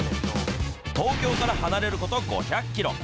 東京から離れること５００キロ。